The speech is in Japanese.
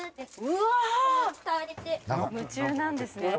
夢中なんですね。